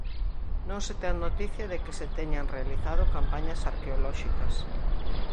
Non se ten noticia de que se teñan realizado campañas arqueolóxicas.